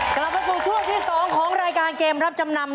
กลับมาสู่ช่วงที่๒ของรายการเกมรับจำนำ